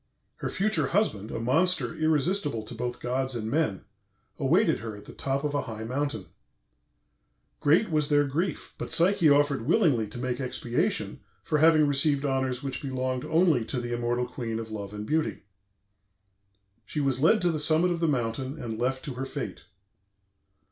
Her future husband, a monster irresistible to both gods and men, awaited her at the top of a high mountain. Great was their grief, but Psyche offered willingly to make expiation for having received honors which belonged only to the immortal queen of love and beauty. She was led to the summit of the mountain and left to her fate.